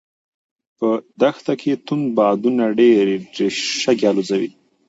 په دښته کې توند بادونه ډېرې شګې الوځوي.